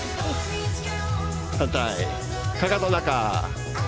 反対かかと中。